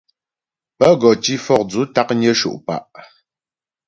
Pə́ gɔ tǐ fɔkdzʉ̌ taknyə sho' pǎ'.